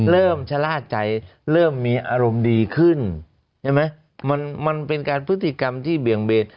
เริ่มชะล่าใจเริ่มมีอารมณ์ดีขึ้นมันเป็นการพฤติกรรมที่เบียงเบน